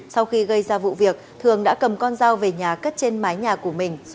sau khi gây ra vụ việc thường đã cầm con dao về nhà cất trên mái nhà của mình rồi đi ngủ